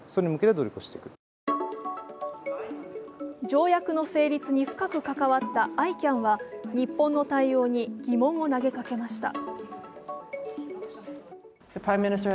条約の成立に深く関わったＩＣＡＮは日本の対応に疑問を投げかけました。